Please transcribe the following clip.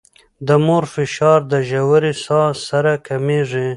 د مور فشار د ژورې ساه سره کمېږي.